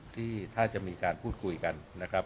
ที่ถ้าจะมีการพูดคุยกันนะครับ